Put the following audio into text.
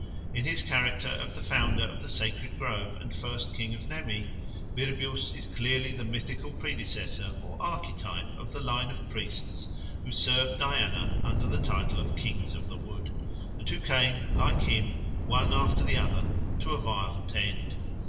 In his character of the founder of the sacred grove and first king of Nemi, Virbius is clearly the mythical predecessor or archetype of the line of priests who served Diana under the title of Kings of the Wood, and who came, like him, one after the other, to a violent end.